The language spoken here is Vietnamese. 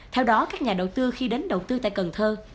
theo đó các nhà đầu tư khi đến đầu tư tại cần thơ